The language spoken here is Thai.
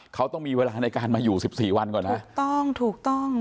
เขาต้องมีเวลาในการมาอยู่สิบสี่วันก่อนนะถูกต้องถูกต้อง